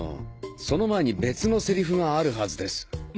その前に別のセリフがあるはずです。